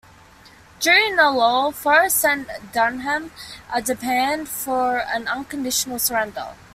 During a lull, Forrest sent Dunham a demand for an unconditional surrender.